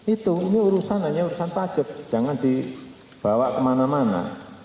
itu ini urusan hanya urusan pajak jangan dibawa kemana mana